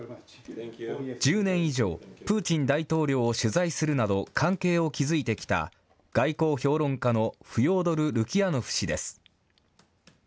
１０年以上、プーチン大統領を取材するなど関係を築いてきた、外交評論家のフョードル・ルキヤノフ氏です。